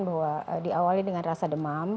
bahwa diawali dengan rasa demam